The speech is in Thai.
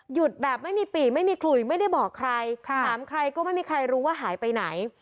หยุดแบบไม่มีปี่ไม่มีขลุยไม่ได้บอกใครถามใครก็ไม่มีใครรู้ว่าหายไปไหน